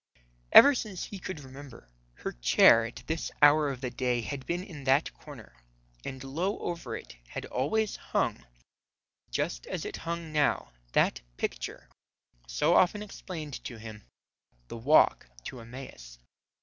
Ever since he could remember, her chair at this hour of the day had been in that corner, and low over it had always hung, just as it hung now, that Picture so often explained to him, "The Walk to Emmaus."